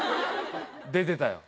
出てたよ。